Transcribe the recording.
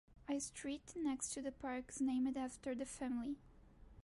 A street next to the park is named after the family.